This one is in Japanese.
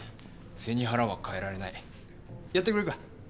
背に腹は代えられないやってくれるか？